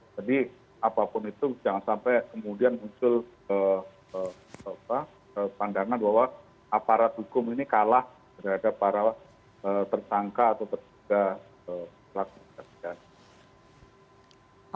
jadi apapun itu jangan sampai kemudian muncul pandangan bahwa aparat hukum ini kalah terhadap para tersangka atau tersinggah pelaku tidak pidana